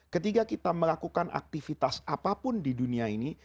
ketika kita melakukan aktivitas apapun di dunia ini